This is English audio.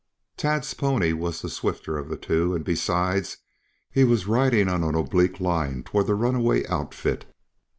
Tad's pony was the swifter of the two, and besides, he was riding on an oblique line toward the runaway outfit.